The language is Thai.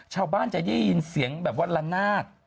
ชาวบ้านจะได้ยินเสียงแบบว่าละนาด